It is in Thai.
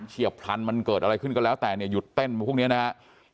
เฉียบพลันมันเกิดอะไรขึ้นก็แล้วแต่เนี่ยหยุดเต้นพวกนี้นะครับ